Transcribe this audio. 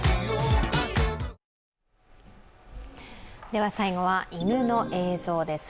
では最後は犬の映像です。